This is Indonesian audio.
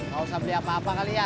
gak usah beli apa apa kali ya